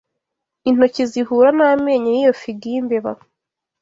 Intoki zihura n'amenyo y,iyo figi y,imbeba